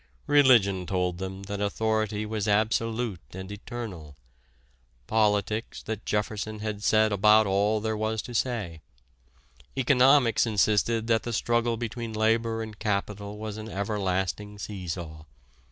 Religion told them that authority was absolute and eternal, politics that Jefferson had said about all there was to say, economics insisted that the struggle between labor and capital was an everlasting see saw.